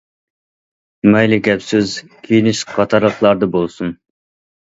مەيلى گەپ- سۆز، كىيىنىش قاتارلىقلاردا بولسۇن.